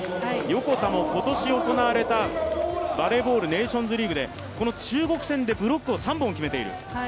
横田も今年行われたバレーボールのネーションズリーグでブロックを３本決めている。